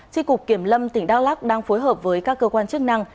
tri cục kiểm lâm tp long xuyên đang phối hợp với các cơ quan chức năng